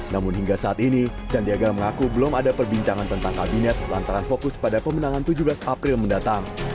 namun hingga saat ini sandiaga mengaku belum ada perbincangan tentang kabinet lantaran fokus pada pemenangan tujuh belas april mendatang